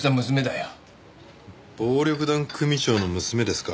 暴力団組長の娘ですか。